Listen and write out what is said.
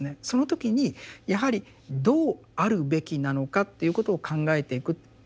その時にやはりどう「ある」べきなのかということを考えていく。